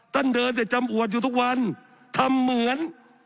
เดินแต่จำอวดอยู่ทุกวันทำเหมือน